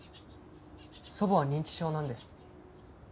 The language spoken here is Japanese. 祖母は認知症なんです。